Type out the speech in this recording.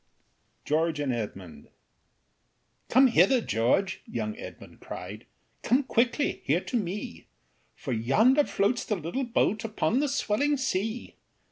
GEORGE AND EDMUND. "Come hither, George," young Edmund cried, "Come quickly here to me, For yonder floats the little boat, Upon the swelling sea.